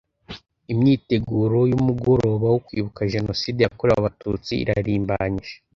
imyiteguro y’umugoroba wo kwibuka Jenoside yakorewe abatutsi irarimbanyije